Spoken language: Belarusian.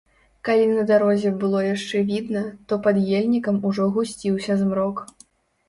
Калі на дарозе было яшчэ відна, то пад ельнікам ужо гусціўся змрок.